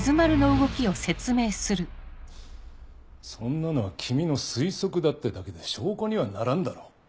そんなのは君の推測だってだけで証拠にはならんだろう。